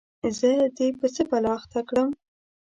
زه دي په څه بلا اخته کړم ؟